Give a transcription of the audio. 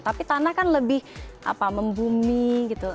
tapi tanah kan lebih membumi gitu